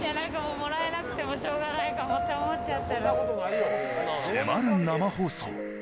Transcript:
もらえなくてもしょうがない迫る生放送。